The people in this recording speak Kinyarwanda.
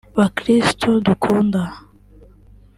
Bakristu dukunda